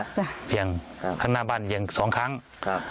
ใช่เบี้ยงครับข้างหน้าบ้านเบี้ยงสองครั้งครับ